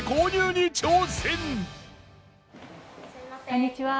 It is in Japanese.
こんにちは。